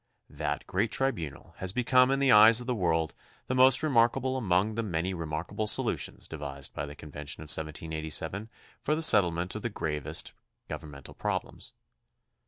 That great tri bunal has become in the eyes of the world the most remarkable among the many remarkable solutions devised by the convention of 1787 for the settlement of the gravest governmental problems.